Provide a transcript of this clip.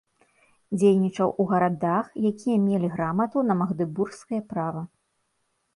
Дзейнічаў у гарадах, якія мелі грамату на магдэбургскае права.